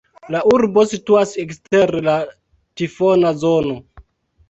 La urbo situas ekster la tifona zono.